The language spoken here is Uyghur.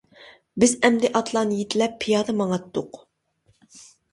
بىز ئەمدى ئاتلارنى يېتىلەپ پىيادە ماڭاتتۇق.